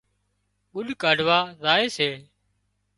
ڳُڏ ڪاڍوا زائي سي